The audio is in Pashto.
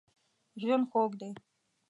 ژوند خوږ دی.